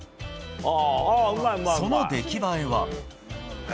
その出来栄えは。